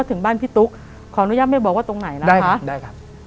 ถึงบ้านพี่ตุ๊กขออนุญาตไม่บอกว่าตรงไหนล่ะได้ครับได้ครับ